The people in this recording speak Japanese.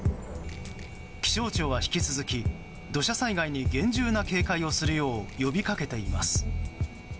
気象庁は、引き続き土砂災害に厳重な警戒をするよう呼びかけています。